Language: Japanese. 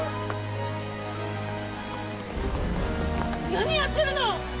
何やってるの！？